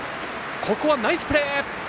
ここはナイスプレー。